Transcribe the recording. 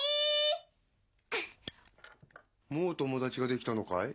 もう友達ができたのかい？